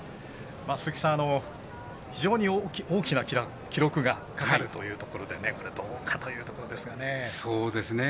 鈴木さん、非常に大きな記録がかかるというところでどうかというところですね。